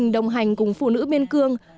đồng hành cùng phụ nữ biên cương